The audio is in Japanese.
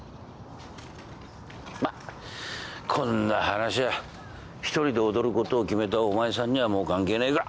まっこんな話は１人で踊ることを決めたお前さんにはもう関係ねえか。